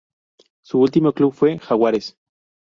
Su último club fue Jaguares.